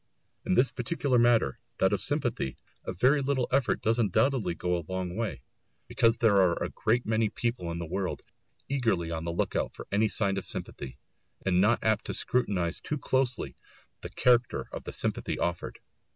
In this particular matter, that of sympathy, a very little effort does undoubtedly go a long way, because there are a great many people in the world eagerly on the look out for any sign of sympathy, and not apt to scrutinise too closely the character of the sympathy offered.